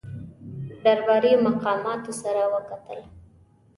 درباري مقاماتو سره وکتل.